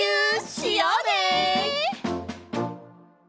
しようね！